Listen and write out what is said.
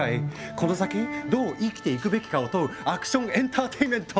この先どう生きていくべきかを問うアクションエンターテインメント！